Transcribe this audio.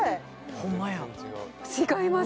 ホンマや違います